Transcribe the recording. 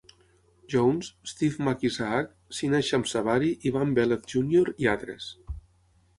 Jones, Steve MacIsaac, Sina Shamsavari, Ivan Velez Junior i altres.